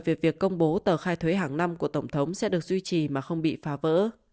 về việc công bố tờ khai thuế hàng năm của tổng thống sẽ được duy trì mà không bị phá vỡ